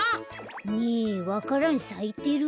ねえわか蘭さいてる？